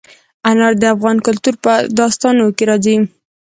انار د افغان کلتور په داستانونو کې راځي.